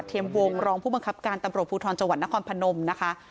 วงรองผู้บังคับการตำรวจภูทรจังหวัดนครพนมนะคะ